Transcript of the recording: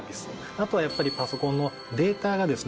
あとはやっぱりパソコンのデータがですね